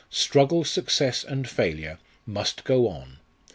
struggle, success, and failure, must go on.